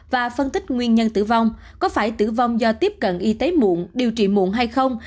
và phân tích nguyên nhân tử vong có phải tử vong do tiếp cận y tế muộn điều trị muộn hay không